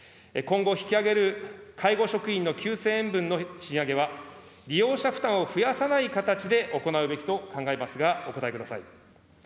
今後引き上げる介護職員の９０００円分の賃上げは、利用者負担を増やさない形で行うべきと考えますが、お答えください。